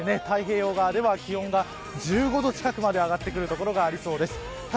日中、各地で太平洋側では気温が１５度近くまで上がってくる所がありそうです。